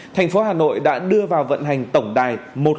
thành phố hà nội đã đưa vào vận hành tổng đài một nghìn hai mươi hai